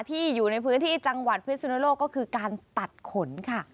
อยู่ในพื้นที่จังหวัดพิสุนโลกก็คือการตัดขนค่ะ